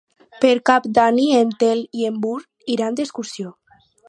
Per Cap d'Any en Telm i en Bru iran d'excursió.